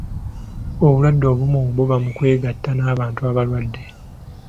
Obulwadde obumu buva mu kwegatta n'abantu abalwadde.